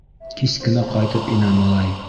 Кис кенә ҡайтып инә малай.